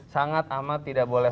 sangat amat tidak boleh